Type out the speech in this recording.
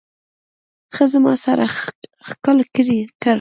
هغه زما سر ښکل کړ.